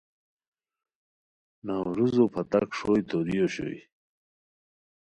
نوروزو پھتاک ݰوئے توری اوشوئے